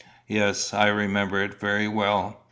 "Yes; I remember it very well.